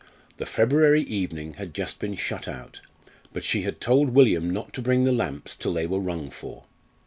The February evening had just been shut out, but she had told William not to bring the lamps till they were rung for.